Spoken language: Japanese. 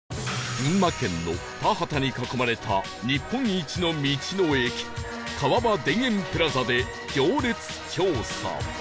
群馬県の田畑に囲まれた日本一の道の駅川場田園プラザで行列調査